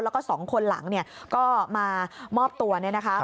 แล้วก็๒คนหลังก็มามอบตัวเนี่ยนะคะ